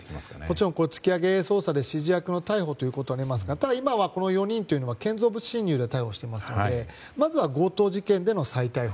もちろん突き上げ捜査で指示役の逮捕となりますがただ、今は４人は建造物侵入で逮捕していますのでまずは強盗事件での再逮捕。